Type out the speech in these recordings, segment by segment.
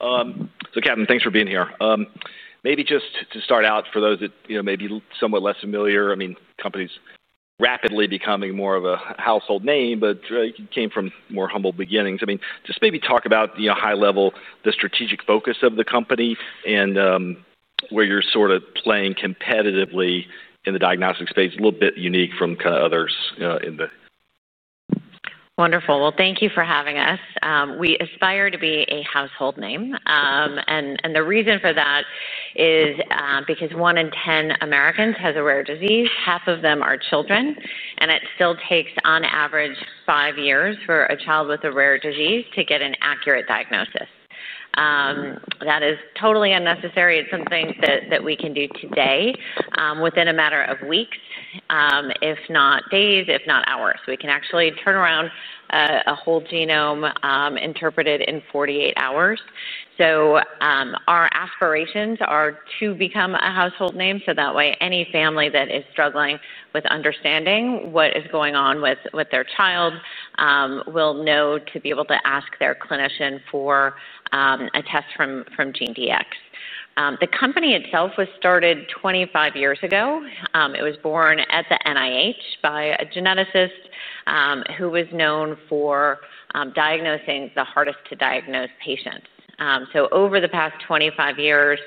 All right. Katherine, thanks for being here. Maybe just to start out for those that may be somewhat less familiar, the company's rapidly becoming more of a household name, but you came from more humble beginnings. Maybe talk about, high-level, the strategic focus of the company and where you're sort of playing competitively in the diagnostic space, a little bit unique from kind of others in the. Wonderful. Thank you for having us. We aspire to be a household name. The reason for that is because 1/10 Americans has a rare disease, half of them are children. It still takes, on average, five years for a child with a rare disease to get an accurate diagnosis. That is totally unnecessary. It's something that we can do today within a matter of weeks, if not days, if not hours. We can actually turn around a whole genome interpreted in 48 hours. Our aspirations are to become a household name so that any family that is struggling with understanding what is going on with their child will know to be able to ask their clinician for a test from GeneDx. The company itself was started 25 years ago. It was born at the NIH by a geneticist who was known for diagnosing the hardest-to-diagnose patients. Over the past 25 years,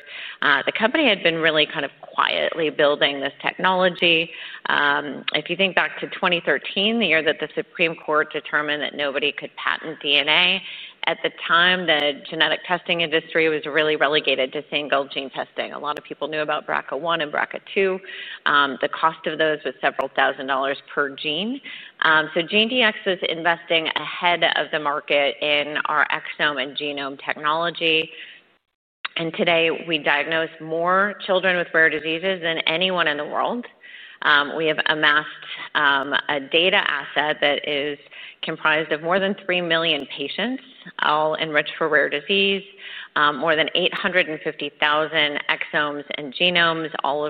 the company had been really kind of quietly building this technology. If you think back to 2013, the year that the Supreme Court determined that nobody could patent DNA, at the time, the genetic testing industry was really relegated to single-gene testing. A lot of people knew about BRCA1 and BRCA2. The cost of those was several thousand dollars per gene. GeneDx was investing ahead of the market in our exome and genome technology. Today, we diagnose more children with rare diseases than anyone in the world. We have amassed a data asset that is comprised of more than 3 million patients, all enriched for rare disease, more than 850,000 exomes and genomes, all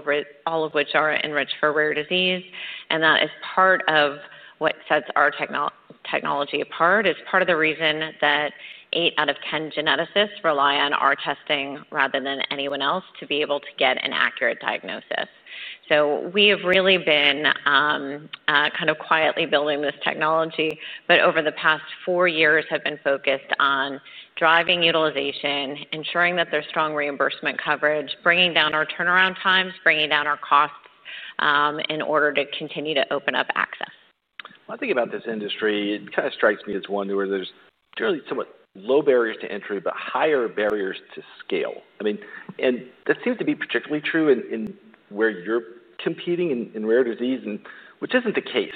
of which are enriched for rare disease. That is part of what sets our technology apart. It's part of the reason that 8/10 geneticists rely on our testing rather than anyone else to be able to get an accurate diagnosis. We have really been kind of quietly building this technology, but over the past four years, have been focused on driving utilization, ensuring that there's strong reimbursement coverage, bringing down our turnaround times, bringing down our costs in order to continue to open up access. One thing about this industry, it kind of strikes me as one where there's generally somewhat low barriers to entry, but higher barriers to scale. That seems to be particularly true in where you're competing in rare disease, which isn't the case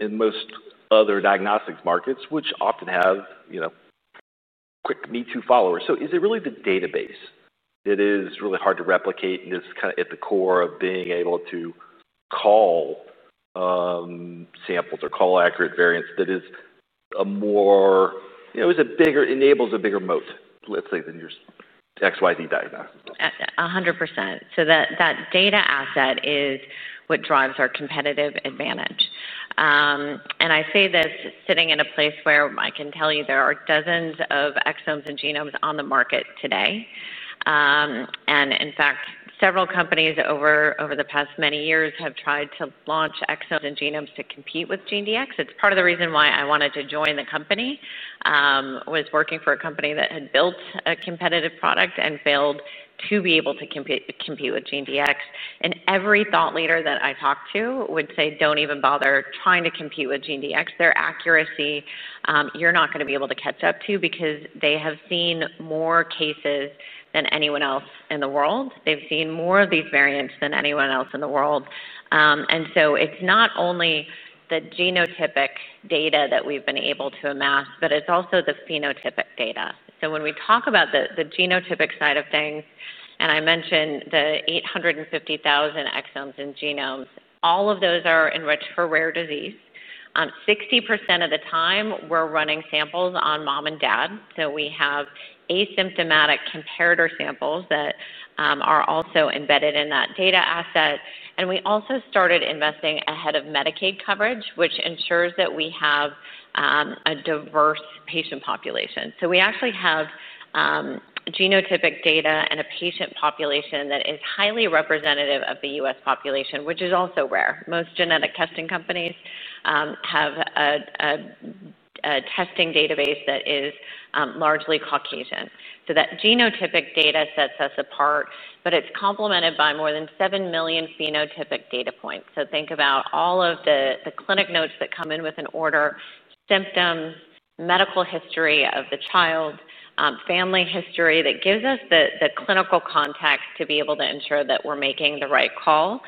in most other diagnostics markets, which often have quick me-too-followers. Is it really the database that is really hard to replicate and is kind of at the core of being able to call samples or call accurate variants that is a more, you know, enables a bigger moat, let's say, than your XYZ diagnostic? 100%. That data asset is what drives our competitive advantage. I say this sitting in a place where I can tell you there are dozens of exome and genome tests on the market today. In fact, several companies over the past many years have tried to launch exome and genome tests to compete with GeneDx. It's part of the reason why I wanted to join the company. I was working for a company that had built a competitive product and failed to be able to compete with GeneDx. Every thought leader that I talked to would say, don't even bother trying to compete with GeneDx. Their accuracy, you're not going to be able to catch up to because they have seen more cases than anyone else in the world. They've seen more of these variants than anyone else in the world. It's not only the genotypic data that we've been able to amass, but it's also the phenotypic data. When we talk about the genotypic side of things, and I mentioned the 850,000 exome and genome tests, all of those are enriched for rare diseases. 60% of the time, we're running samples on mom and dad. We have asymptomatic comparator samples that are also embedded in that data asset. We also started investing ahead of Medicaid coverage, which ensures that we have a diverse patient population. We actually have genotypic data and a patient population that is highly representative of the U.S. population, which is also rare. Most genetic testing companies have a testing database that is largely Caucasian. That genotypic data sets us apart, but it's complemented by more than 7 million phenotypic data points. Think about all of the clinic notes that come in with an order, symptoms, medical history of the child, family history. That gives us the clinical context to be able to ensure that we're making the right call.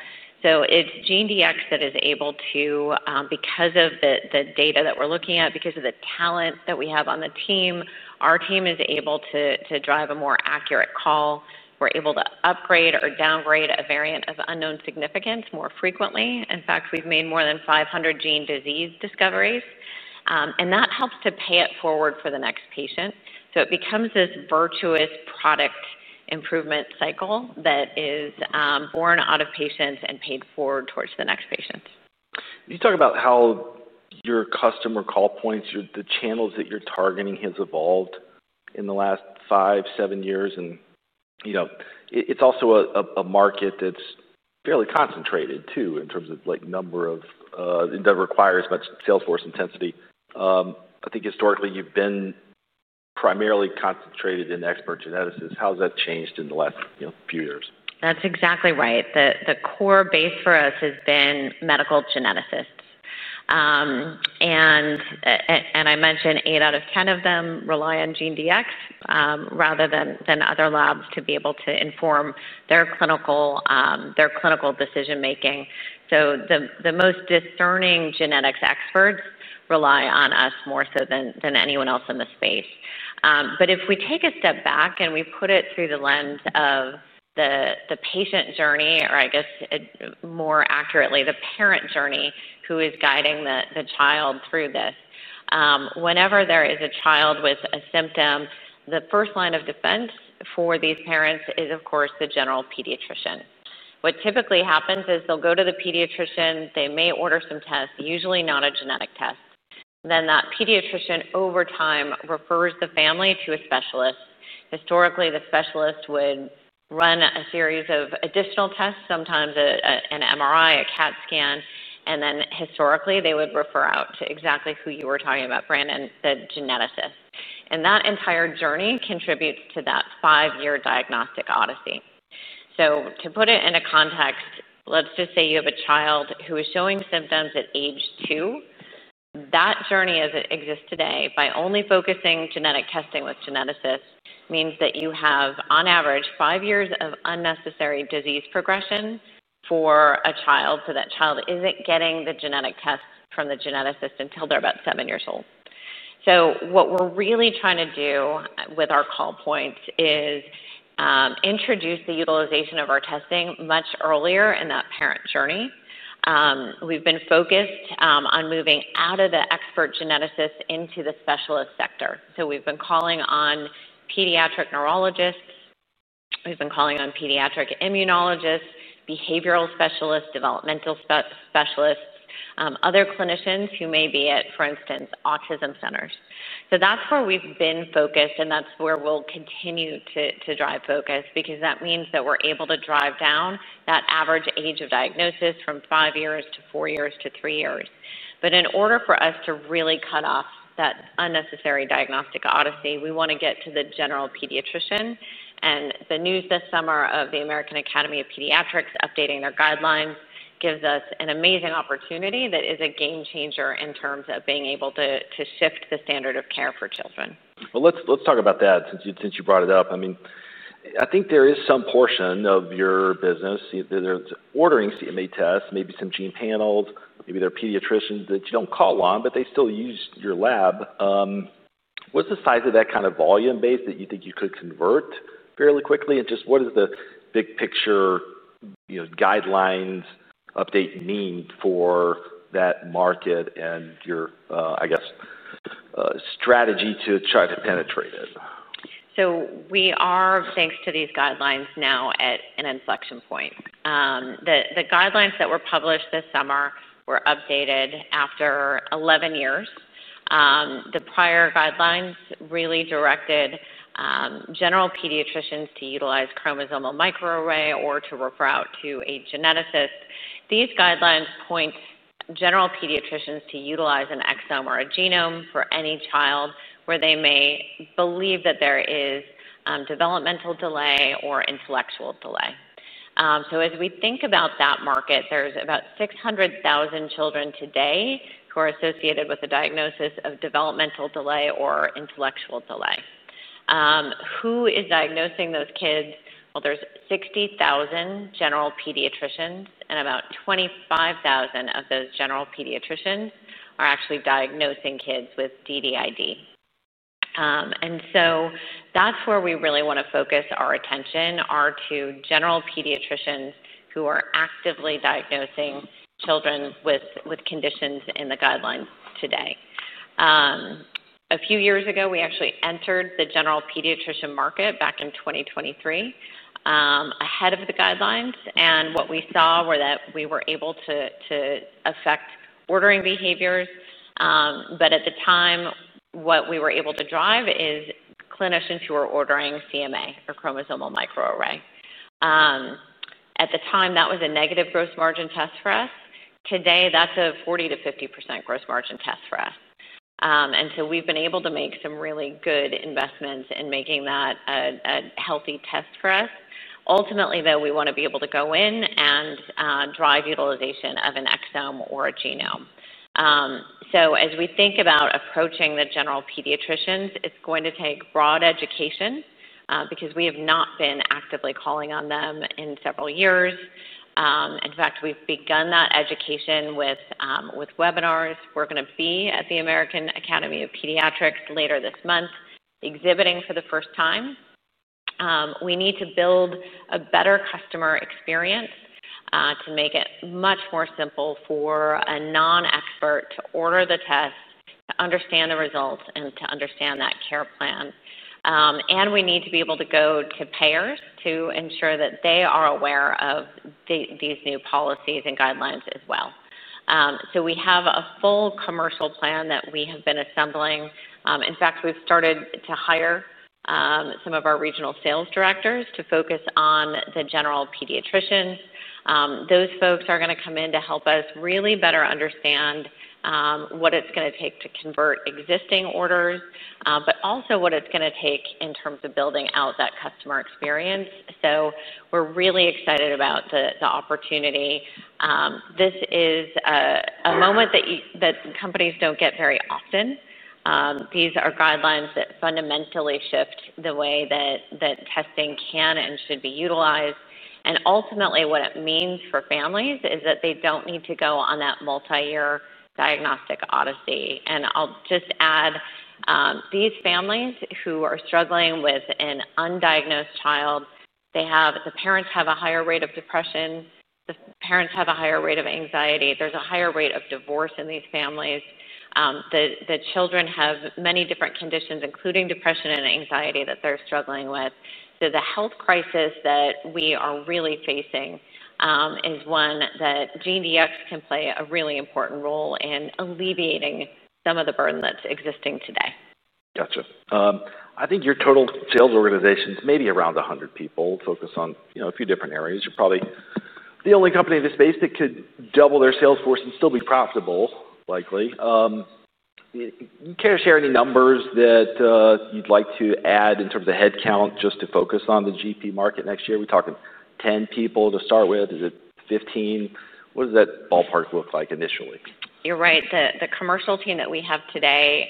GeneDx is able to, because of the data that we're looking at, because of the talent that we have on the team, our team is able to drive a more accurate call. We're able to upgrade or downgrade a variant of unknown significance more frequently. In fact, we've made more than 500 gene disease discoveries. That helps to pay it forward for the next patient. It becomes this virtuous product improvement cycle that is born out of patients and paid for towards the next patient. Could you talk about how your customer call points, the channels that you're targeting, have evolved in the last five to seven years? It's also a market that's fairly concentrated, too, in terms of number, that requires much salesforce intensity. I think historically, you've been primarily concentrated in expert medical geneticists. How has that changed in the last few years? That's exactly right. The core base for us has been medical geneticists. I mentioned 8/10 of them rely on GeneDx rather than other labs to be able to inform their clinical decision-making. The most discerning genetics experts rely on us more so than anyone else in the space. If we take a step back and we put it through the lens of the patient journey, or I guess more accurately, the parent journey, who is guiding the child through this, whenever there is a child with a symptom, the first line of defense for these parents is, of course, the general pediatrician. What typically happens is they'll go to the pediatrician. They may order some tests, usually not a genetic test. That pediatrician, over time, refers the family to a specialist. Historically, the specialist would run a series of additional tests, sometimes an MRI, a CAT scan. Historically, they would refer out to exactly who you were talking about, Brandon, the geneticist. That entire journey contributes to that five-year diagnostic odyssey. To put it in a context, let's just say you have a child who is showing symptoms at age two. That journey, as it exists today, by only focusing genetic testing with geneticists, means that you have, on average, five years of unnecessary disease progression for a child. That child isn't getting the genetic test from the geneticist until they're about seven years old. What we're really trying to do with our call points is introduce the utilization of our testing much earlier in that parent journey. We've been focused on moving out of the expert geneticists into the specialist sector. We've been calling on pediatric neurologists. We've been calling on pediatric immunologists, behavioral specialists, developmental specialists, other clinicians who may be at, for instance, autism centers. That's where we've been focused. That's where we'll continue to drive focus because that means that we're able to drive down that average age of diagnosis from five years to four years to three years. In order for us to really cut off that unnecessary diagnostic odyssey, we want to get to the general pediatrician. The news this summer of the American Academy of Pediatrics updating their guidelines gives us an amazing opportunity that is a game changer in terms of being able to shift the standard of care for children. Let's talk about that since you brought it up. I think there is some portion of your business that is ordering CMA tests, maybe some gene panels, maybe they're pediatricians that you don't call on, but they still use your lab. What's the size of that kind of volume base that you think you could convert fairly quickly? What is the big picture, you know, guidelines update need for that market and your, I guess, strategy to try to penetrate it? We are, thanks to these guidelines, now at an inflection point. The guidelines that were published this summer were updated after 11 years. The prior guidelines really directed general pediatricians to utilize chromosomal microarray or to refer out to a geneticist. These guidelines point general pediatricians to utilize an exome or a genome for any child where they may believe that there is developmental delay or intellectual delay. As we think about that market, there's about 600,000 children today who are associated with a diagnosis of developmental delay or intellectual delay. Who is diagnosing those kids? There are 60,000 general pediatricians, and about 25,000 of those general pediatricians are actually diagnosing kids with DDID. That's where we really want to focus our attention, our two general pediatricians who are actively diagnosing children with conditions in the guidelines today. A few years ago, we actually entered the general pediatrician market back in 2023, ahead of the guidelines. What we saw was that we were able to affect ordering behaviors. At the time, what we were able to drive is clinicians who were ordering CMA or chromosomal microarray. At the time, that was a negative gross margin test for us. Today, that's a 40%- 50% gross margin test for us. We've been able to make some really good investments in making that a healthy test for us. Ultimately, though, we want to be able to go in and drive utilization of an exome or a genome. As we think about approaching the general pediatricians, it's going to take broad education because we have not been actively calling on them in several years. In fact, we've begun that education with webinars. We're going to be at the American Academy of Pediatrics later this month, exhibiting for the first time. We need to build a better customer experience to make it much more simple for a non-expert to order the test, to understand the results, and to understand that care plan. We need to be able to go to payers to ensure that they are aware of these new policies and guidelines as well. We have a full commercial plan that we have been assembling. In fact, we've started to hire some of our regional sales directors to focus on the general pediatricians. Those folks are going to come in to help us really better understand what it's going to take to convert existing orders, but also what it's going to take in terms of building out that customer experience. We're really excited about the opportunity. This is a moment that companies don't get very often. These are guidelines that fundamentally shift the way that testing can and should be utilized. Ultimately, what it means for families is that they don't need to go on that multi-year diagnostic odyssey. I'll just add, these families who are struggling with an undiagnosed child, the parents have a higher rate of depression. The parents have a higher rate of anxiety. There's a higher rate of divorce in these families. The children have many different conditions, including depression and anxiety, that they're struggling with. The health crisis that we are really facing is one that GeneDx can play a really important role in alleviating some of the burden that's existing today. Gotcha. I think your total sales organization is maybe around 100 people focused on a few different areas. You're probably the only company in this space that could double their salesforce and still be profitable, likely. Can you share any numbers that you'd like to add in terms of the headcount just to focus on the GP market next year? We're talking 10 people to start with. Is it 15? What does that ballpark look like initially? You're right. The commercial team that we have today,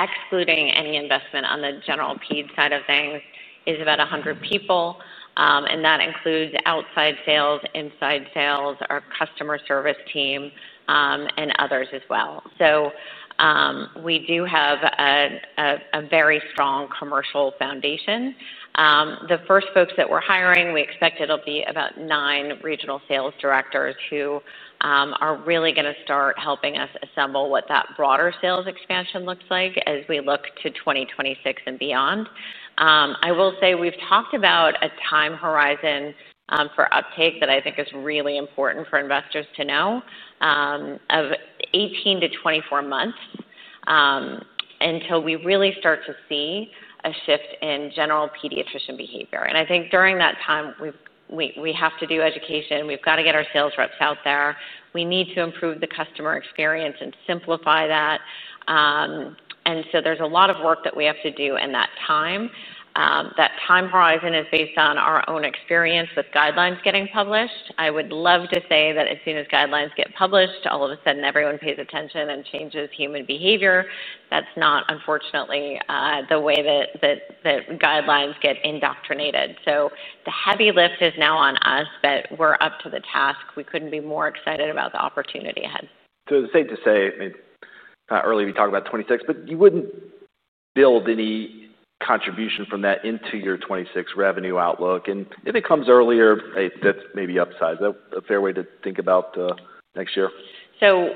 excluding any investment on the general ped side of things, is about 100 people. That includes outside sales, inside sales, our customer service team, and others as well. We do have a very strong commercial foundation. The first folks that we're hiring, we expect it'll be about nine regional sales directors who are really going to start helping us assemble what that broader sales expansion looks like as we look to 2026 and beyond. I will say we've talked about a time horizon for uptake that I think is really important for investors to know, of 18 months- 24 months until we really start to see a shift in general pediatrician behavior. I think during that time, we have to do education. We've got to get our sales reps out there. We need to improve the customer experience and simplify that. There's a lot of work that we have to do in that time. That time horizon is based on our own experience with guidelines getting published. I would love to say that as soon as guidelines get published, all of a sudden, everyone pays attention and changes human behavior. That's not, unfortunately, the way that guidelines get indoctrinated. The heavy lift is now on us, but we're up to the task. We couldn't be more excited about the opportunity ahead. It's safe to say, I mean, earlier we talked about 2026, but you wouldn't build any contribution from that into your 2026 revenue outlook. If it comes earlier, that's maybe upside. Is that a fair way to think about next year?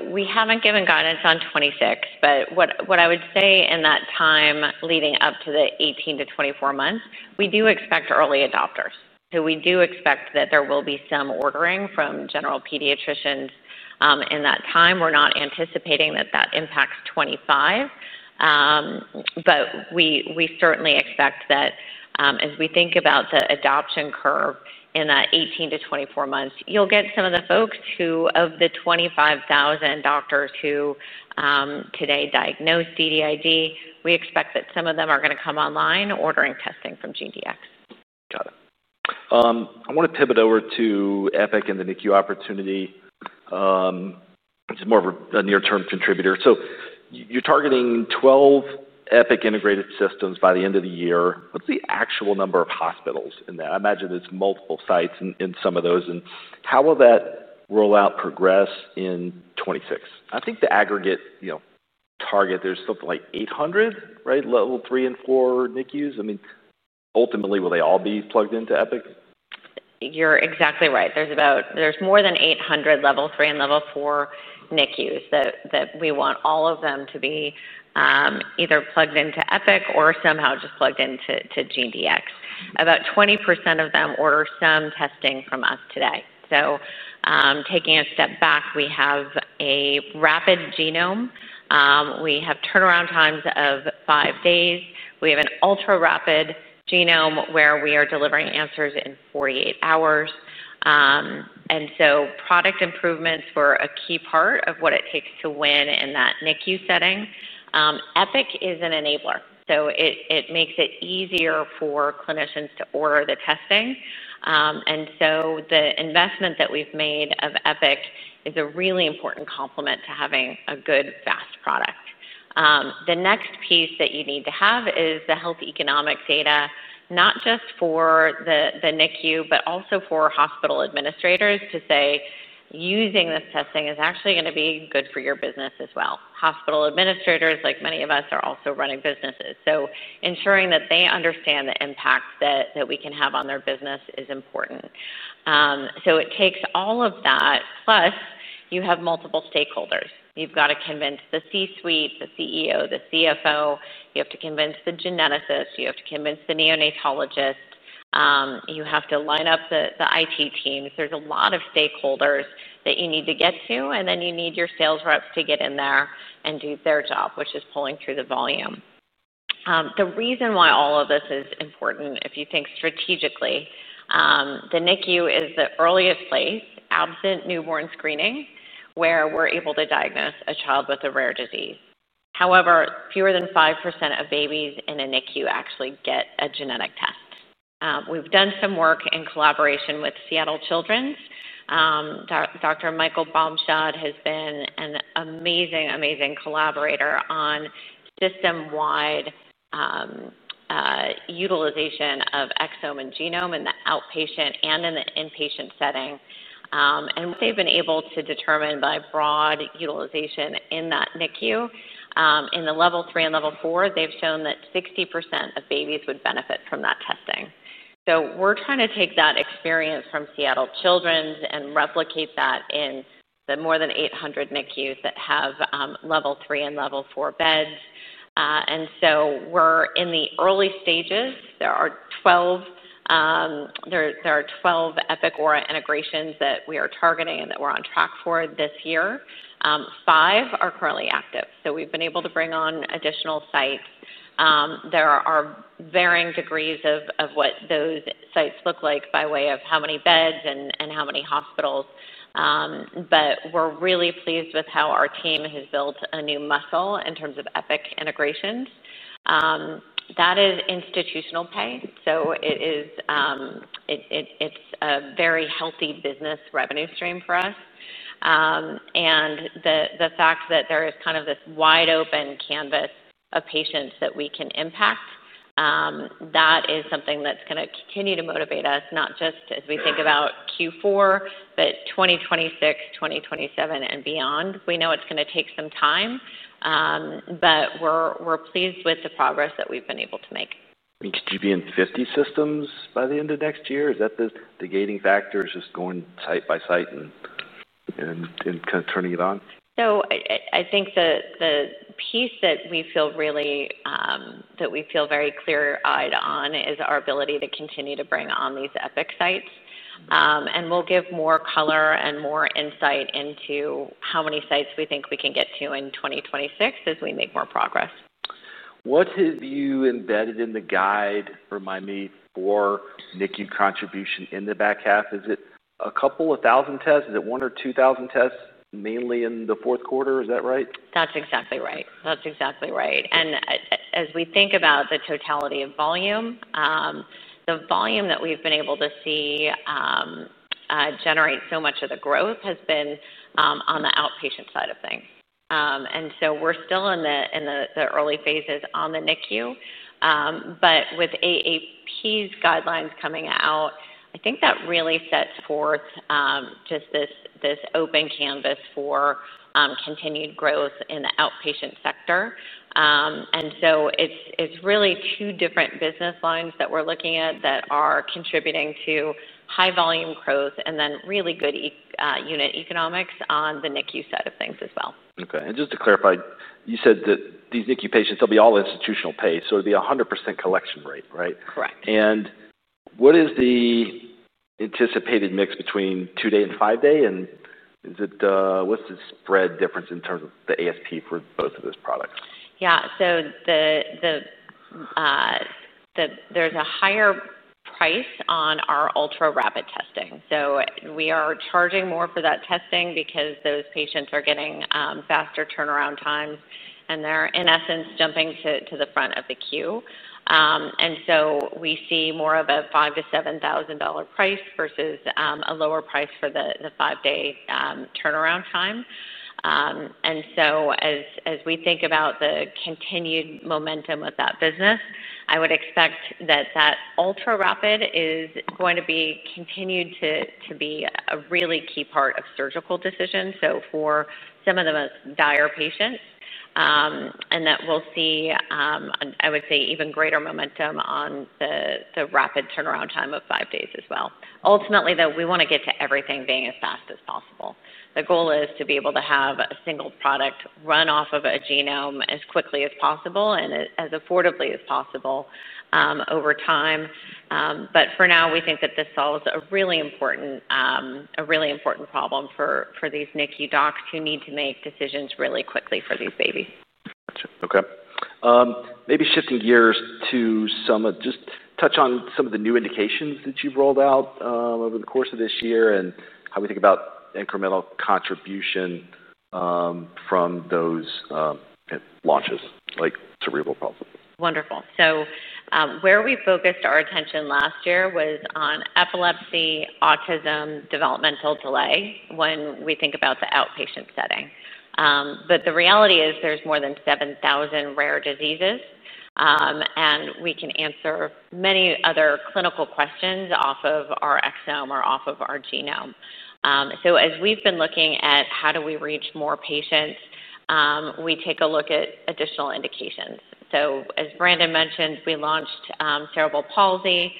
We haven't given guidance on 2026. What I would say in that time leading up to the 18 months- 24 months, we do expect early adopters. We do expect that there will be some ordering from general pediatricians in that time. We're not anticipating that impacts 2025. We certainly expect that as we think about the adoption curve in that 18 months- 24 months, you'll get some of the folks who, of the 25,000 doctors who today diagnose developmental or intellectual delays, we expect that some of them are going to come online ordering testing from GeneDx. Got it. I want to pivot over to Epic and the NICU opportunity, which is more of a near-term contributor. You're targeting 12 Epic integrated systems by the end of the year. What's the actual number of hospitals in that? I imagine there's multiple sites in some of those. How will that rollout progress in 2026? I think the aggregate target, there's something like 800, right, level three and four NICUs. Ultimately, will they all be plugged into Epic? You're exactly right. There's more than 800 level three and level four NICUs that we want all of them to be either plugged into Epic or somehow just plugged into GeneDx. About 20% of them order some testing from us today. Taking a step back, we have a rapid genome. We have turnaround times of five days. We have an ultra-rapid genome where we are delivering answers in 48 hours. Product improvements were a key part of what it takes to win in that NICU setting. Epic is an enabler. It makes it easier for clinicians to order the testing. The investment that we've made of Epic is a really important complement to having a good, fast product. The next piece that you need to have is the health economic data, not just for the NICU, but also for hospital administrators to say, using this testing is actually going to be good for your business as well. Hospital administrators, like many of us, are also running businesses. Ensuring that they understand the impact that we can have on their business is important. It takes all of that, plus you have multiple stakeholders. You've got to convince the C-suite, the CEO, the CFO. You have to convince the geneticist. You have to convince the neonatologist. You have to line up the IT teams. There's a lot of stakeholders that you need to get to. You need your sales reps to get in there and do their job, which is pulling through the volume. The reason why all of this is important, if you think strategically, the NICU is the earliest place absent newborn screening where we're able to diagnose a child with a rare disease. However, fewer than 5% of babies in a NICU actually get a genetic test. We've done some work in collaboration with Seattle Children's. Dr. Michael Baumschad has been an amazing, amazing collaborator on system-wide utilization of exome and genome in the outpatient and in the inpatient setting. They've been able to determine by broad utilization in that NICU, in the Level 3 and Level 4, they've shown that 60% of babies would benefit from that testing. We're trying to take that experience from Seattle Children's and replicate that in the more than 800 NICUs that have Level 3 and Level 4 beds. We're in the early stages. There are 12 Epic Aura integrations that we are targeting and that we're on track for this year. Five are currently active. We've been able to bring on additional sites. There are varying degrees of what those sites look like by way of how many beds and how many hospitals. We're really pleased with how our team has built a new muscle in terms of Epic integrations. That is institutional pay. It's a very healthy business revenue stream for us. The fact that there is kind of this wide open canvas of patients that we can impact is something that's going to continue to motivate us, not just as we think about Q4, but 2026, 2027, and beyond. We know it's going to take some time. We're pleased with the progress that we've been able to make. Do you mean 50 systems by the end of next year? Is that the gating factor, just going site by site and kind of turning it on? I think the piece that we feel very clear eyed on is our ability to continue to bring on these Epic sites. We'll give more color and more insight into how many sites we think we can get to in 2026 as we make more progress. What have you embedded in the guide, remind me, for NICU contribution in the back half? Is it a couple of 1000 tests? Is it 1000-2000 tests mainly in the fourth quarter? Is that right? That's exactly right. As we think about the totality of volume, the volume that we've been able to see generate so much of the growth has been on the outpatient side of things. We're still in the early phases on the NICU. With the American Academy of Pediatrics' guidelines coming out, I think that really sets forth just this open canvas for continued growth in the outpatient sector. It's really two different business lines that we're looking at that are contributing to high volume growth and then really good unit economics on the NICU side of things as well. OK. Just to clarify, you said that these NICU patients, they'll be all institutional pay, so it'll be 100% collection rate, right? Correct. What is the anticipated mix between two-day and five-day? What's the spread difference in terms of the ASP for both of those products? Yeah. There's a higher price on our ultra-rapid testing. We are charging more for that testing because those patients are getting faster turnaround times, and they're, in essence, jumping to the front of the queue. We see more of a $5,000- $7,000 price versus a lower price for the five-day turnaround time. As we think about the continued momentum of that business, I would expect that ultra-rapid is going to continue to be a really key part of surgical decisions for some of the dire patients. I would say we'll see even greater momentum on the rapid turnaround time of five days as well. Ultimately, though, we want to get to everything being as fast as possible. The goal is to be able to have a single product run off of a genome as quickly as possible and as affordably as possible over time. For now, we think that this solves a really important problem for these NICU docs who need to make decisions really quickly for these babies. Gotcha. OK. Maybe shifting gears to just touch on some of the new indications that you've rolled out over the course of this year and how we think about incremental contribution from those launches, like cerebral palsy. Wonderful. Where we focused our attention last year was on epilepsy, autism, developmental delay when we think about the outpatient setting. The reality is there's more than 7,000 rare diseases, and we can answer many other clinical questions off of our exome or off of our genome. As we've been looking at how do we reach more patients, we take a look at additional indications. As Brandon mentioned, we launched cerebral palsy,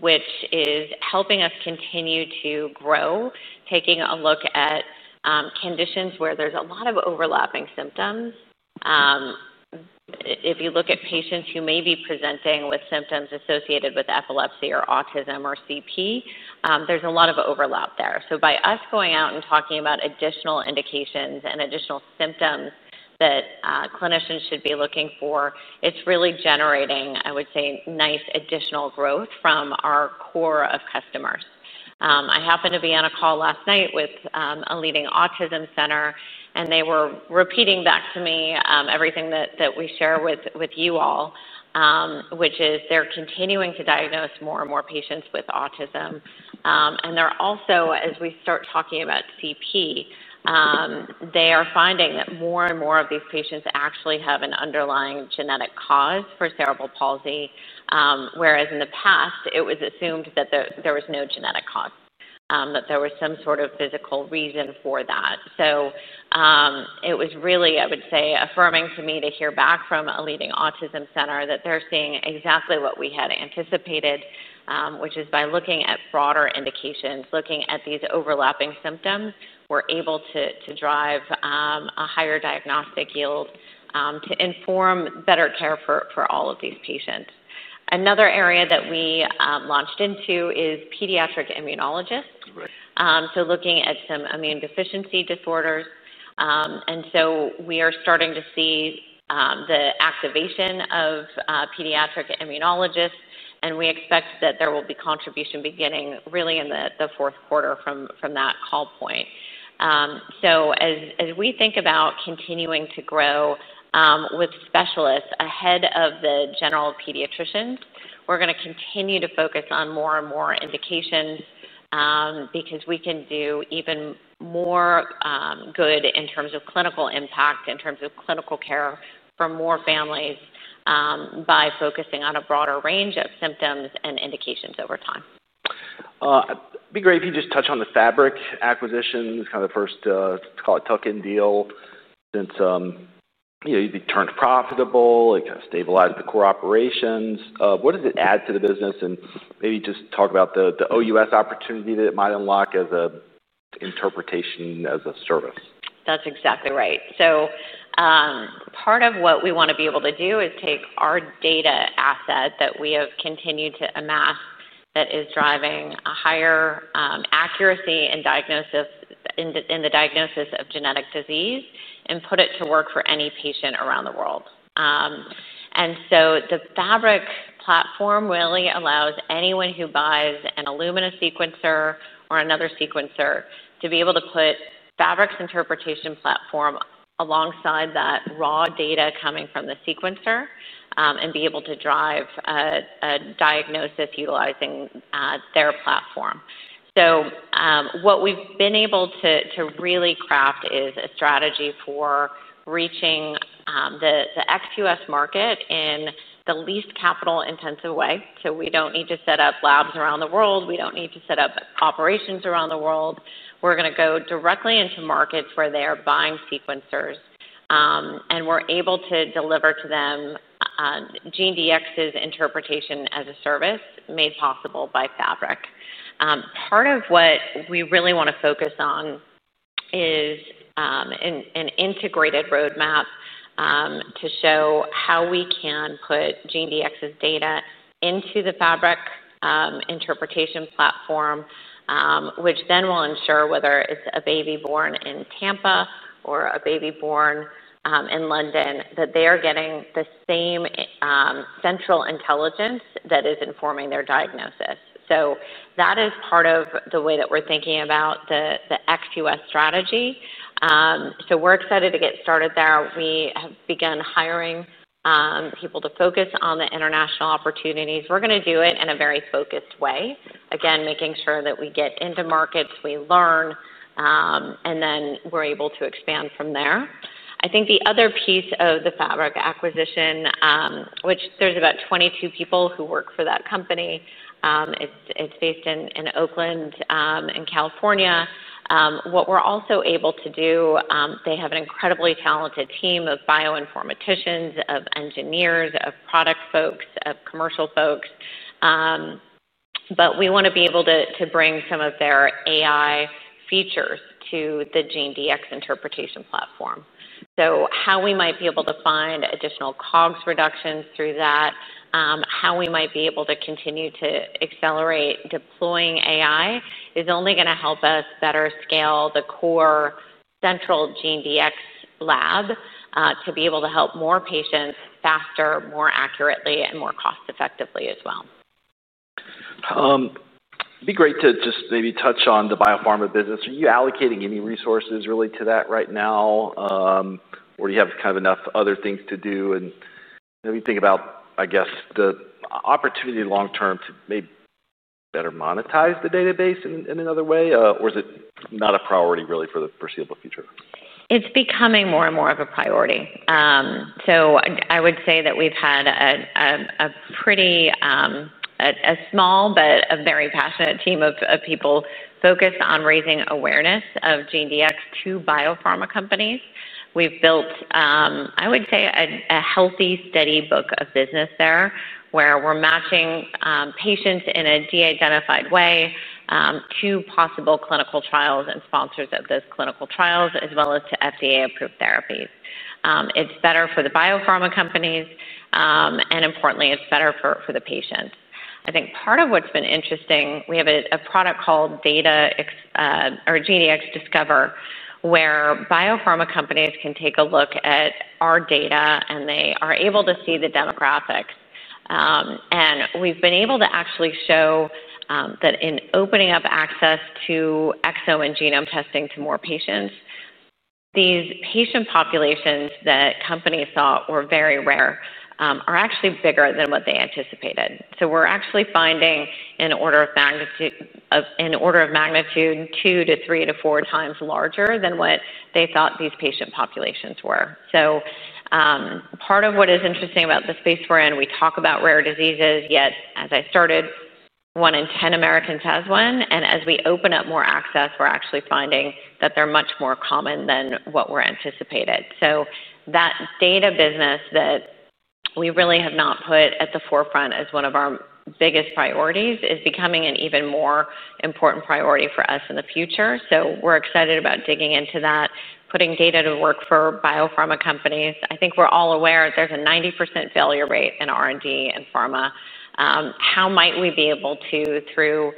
which is helping us continue to grow, taking a look at conditions where there's a lot of overlapping symptoms. If you look at patients who may be presenting with symptoms associated with epilepsy or autism or CP, there's a lot of overlap there. By us going out and talking about additional indications and additional symptoms that clinicians should be looking for, it's really generating, I would say, nice additional growth from our core of customers. I happened to be on a call last night with a leading autism center, and they were repeating back to me everything that we share with you all, which is they're continuing to diagnose more and more patients with autism. They're also, as we start talking about CP, finding that more and more of these patients actually have an underlying genetic cause for cerebral palsy, whereas in the past, it was assumed that there was no genetic cause, that there was some sort of physical reason for that. It was really, I would say, affirming to me to hear back from a leading autism center that they're seeing exactly what we had anticipated, which is by looking at broader indications, looking at these overlapping symptoms, we're able to drive a higher diagnostic yield to inform better care for all of these patients. Another area that we launched into is pediatric immunologists, looking at some immune deficiency disorders. We are starting to see the activation of pediatric immunologists, and we expect that there will be contribution beginning really in the fourth quarter from that call point. As we think about continuing to grow with specialists ahead of the general pediatricians, we're going to continue to focus on more and more indications because we can do even more good in terms of clinical impact, in terms of clinical care for more families by focusing on a broader range of symptoms and indications over time. It'd be great if you could just touch on the Fabric Genomics acquisition, kind of the first, let's call it, tuck-in deal since you've turned profitable, kind of stabilized the core operations. What does it add to the business? Maybe just talk about the OUS opportunity that it might unlock as an interpretation-as-a-service. That's exactly right. Part of what we want to be able to do is take our data asset that we have continued to amass that is driving a higher accuracy in the diagnosis of genetic disease and put it to work for any patient around the world. The Fabric platform really allows anyone who buys an Illumina sequencer or another sequencer to be able to put Fabric's interpretation platform alongside that raw data coming from the sequencer and be able to drive a diagnosis utilizing their platform. What we've been able to really craft is a strategy for reaching the XUS market in the least capital-intensive way. We don't need to set up labs around the world. We don't need to set up operations around the world. We're going to go directly into markets where they are buying sequencers. We're able to deliver to them GeneDx's interpretation-as-a-service made possible by Fabric. Part of what we really want to focus on is an integrated roadmap to show how we can put GeneDx's data into the Fabric interpretation platform, which then will ensure whether it's a baby born in Tampa or a baby born in London, that they are getting the same central intelligence that is informing their diagnosis. That is part of the way that we're thinking about the XUS strategy. We're excited to get started there. We have begun hiring people to focus on the international opportunities. We're going to do it in a very focused way, again, making sure that we get into markets, we learn, and then we're able to expand from there. I think the other piece of the Fabric acquisition, which there's about 22 people who work for that company, it's based in Oakland and California. What we're also able to do, they have an incredibly talented team of bioinformaticians, of engineers, of product folks, of commercial folks. We want to be able to bring some of their AI-driven features to the GeneDx interpretation platform. How we might be able to find additional COGS reductions through that, how we might be able to continue to accelerate deploying AI is only going to help us better scale the core central GeneDx lab to be able to help more patients faster, more accurately, and more cost-effectively as well. It'd be great to just maybe touch on the biopharma business. Are you allocating any resources really to that right now? Do you have kind of enough other things to do? Let me think about, I guess, the opportunity long term to maybe better monetize the database in another way. Is it not a priority really for the foreseeable future? It's becoming more and more of a priority. I would say that we've had a small but very passionate team of people focused on raising awareness of GeneDx to biopharma companies. We've built a healthy, steady book of business there where we're matching patients in a de-identified way to possible clinical trials and sponsors of those clinical trials, as well as to FDA-approved therapies. It's better for the biopharma companies, and importantly, it's better for the patient. I think part of what's been interesting, we have a product called GeneDx Discover where biopharma companies can take a look at our data. They are able to see the demographics, and we've been able to actually show that in opening up access to exome and genome testing to more patients, these patient populations that companies thought were very rare are actually bigger than what they anticipated. We're actually finding an order of magnitude two to three to four times larger than what they thought these patient populations were. Part of what is interesting about the space we're in, we talk about rare diseases, yet as I started, 1/10 Americans has one. As we open up more access, we're actually finding that they're much more common than what were anticipated. That data business that we really have not put at the forefront as one of our biggest priorities is becoming an even more important priority for us in the future. We're excited about digging into that, putting data to work for biopharma companies. I think we're all aware that there's a 90% failure rate in R&D in pharma. How might we be able to, through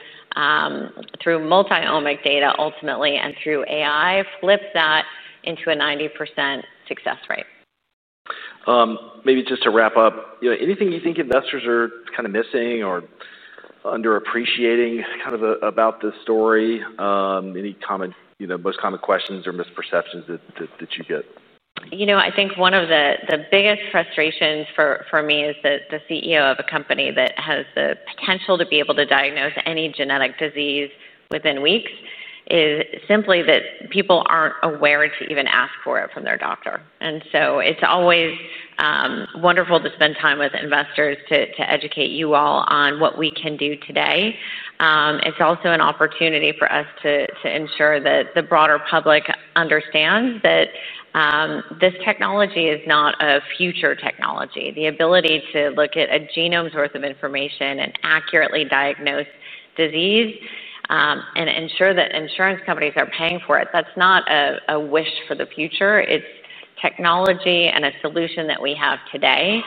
multi-omic data ultimately and through AI, flip that into a 90% success rate? Maybe just to wrap up, anything you think investors are kind of missing or underappreciating about this story? Any common questions or misperceptions that you get? I think one of the biggest frustrations for me as the CEO of a company that has the potential to be able to diagnose any genetic disease within weeks is simply that people aren't aware to even ask for it from their doctor. It's always wonderful to spend time with investors to educate you all on what we can do today. It's also an opportunity for us to ensure that the broader public understands that this technology is not a future technology. The ability to look at a genome's worth of information and accurately diagnose disease and ensure that insurance companies are paying for it, that's not a wish for the future. It's technology and a solution that we have today.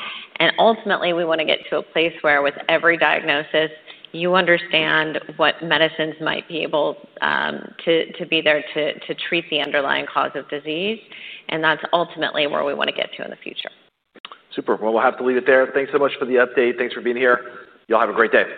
Ultimately, we want to get to a place where with every diagnosis, you understand what medicines might be able to be there to treat the underlying cause of disease. That's ultimately where we want to get to in the future. Super. We'll have to leave it there. Thanks so much for the update. Thanks for being here. Y'all have a great day.